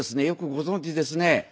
よくご存じですね。